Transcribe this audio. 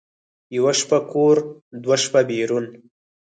یوه شپه کور، دوه شپه بېرون.